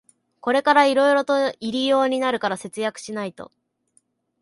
これからいろいろと入用になるから節約しないと